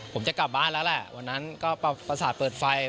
ผมจะกลับบ้านแล้วแหละวันนั้นก็ประสาทเปิดไฟ